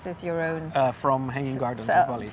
dari hanging gardens